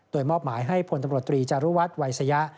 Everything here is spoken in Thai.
โดยมอบหมายให้พลตำรวจตรีจารุวัฒน์วัยสยะ